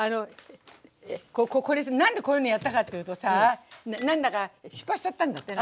これ何でこういうのやったかっていうとさ何だか失敗しちゃったんだって？